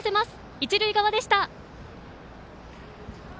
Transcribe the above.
一塁側でした。